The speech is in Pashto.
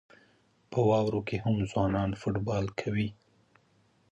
په واورو کې هم ځوانان فوټبال کوي.